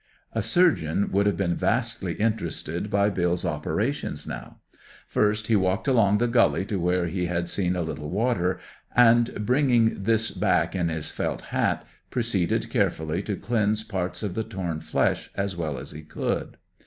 A surgeon would have been vastly interested by Bill's operations now. First, he walked along the gully to where he had seen a little water and, bringing this back in his felt hat, proceeded carefully to cleanse parts of the torn flesh as well as he could.